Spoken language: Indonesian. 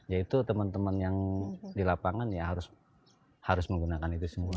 yaitu teman teman yang di lapangan ya harus menggunakan itu semua